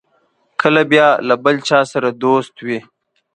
کله بیا له بل چا سره دوست وي.